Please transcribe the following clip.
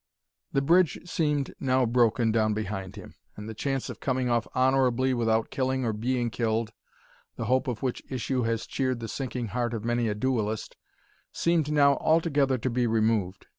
The bridge seemed now broken down behind him, and the chance of coming off honourably without killing or being killed, (the hope of which issue has cheered the sinking heart of many a duellist,) seemed now altogether to be removed.